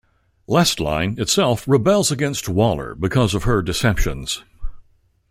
'Last Line' itself rebels against Waller because of her deceptions.